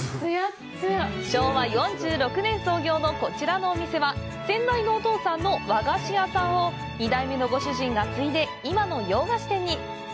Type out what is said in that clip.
昭和４６年創業のこちらのお店は、先代のお父さんの和菓子屋さんを２代目のご主人が継いで今の洋菓子店に。